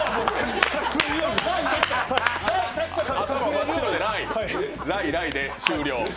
頭真っ白で、ラーイ、ラーイで終了。